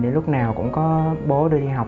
để lúc nào cũng có bố đi học